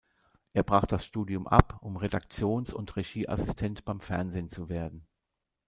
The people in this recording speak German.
Er brach das Studium ab, um Redaktions- und Regieassistent beim Fernsehen zu werden.